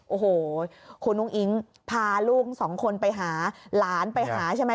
โอ้โหคุณอุ้งอิ๊งพาลูกสองคนไปหาหลานไปหาใช่ไหม